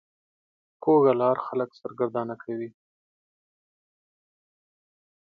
کوږه لار خلک سرګردانه کوي